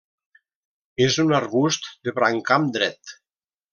És un arbust de brancam dret.